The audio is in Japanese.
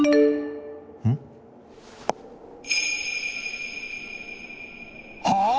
ん？はあ？